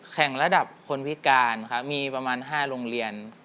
แข่งระดับคนพิการครับมีประมาณ๕โรงเรียน